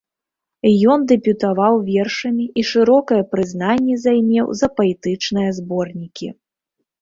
Ён дэбютаваў вершамі і шырокае прызнанне займеў за паэтычныя зборнікі.